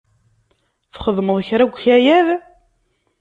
Txedmeḍ kra deg ukayad?